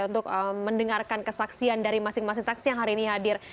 untuk mendengarkan kesaksian dari masing masing saksi yang hari ini hadir